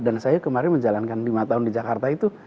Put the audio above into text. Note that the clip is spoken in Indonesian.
dan saya kemarin menjalankan lima tahun di jakarta itu